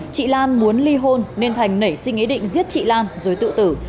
chị lan muốn ly hôn nên thành nảy sinh ý định giết chị lan rồi tự tử